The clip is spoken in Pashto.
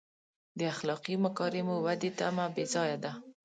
د اخلاقي مکارمو ودې تمه بې ځایه ده.